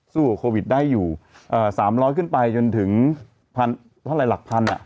สู้กับโควิดได้อยู่๓๐๐ขึ้นไปจนถึงพันเท่าไรหลักพันอ่ะ